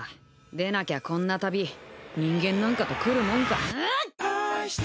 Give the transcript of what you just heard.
でなきゃこんな旅、人間なんか来るもんか。